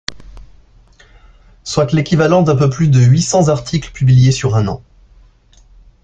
Soit l'équivalent d'un peu plus de huit cents articles publiés sur un an.